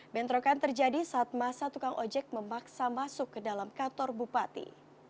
bentrokan terjadi saat masa tukang ojek memaksa masuk ke dalam kantor bupati